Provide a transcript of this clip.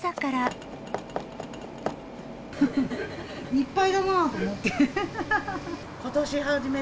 いっぱいだなぁと思って。